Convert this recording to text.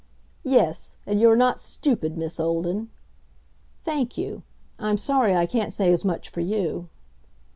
"Yes; and you're not stupid, Miss Olden." "Thank you. I'm sorry I can't say as much for you."